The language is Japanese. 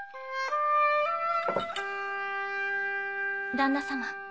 旦那様。